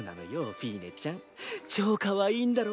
フィーネちゃん。超かわいいんだろ？